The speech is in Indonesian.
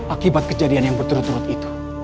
akibat kejadian yang berturut turut itu